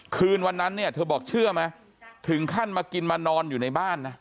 คืนวันนั้นเนี่ยเธอบอกเชื่อไหมถึงขั้นมากินมานอนอยู่ในบ้านนะ